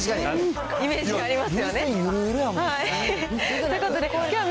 イメージありますよね。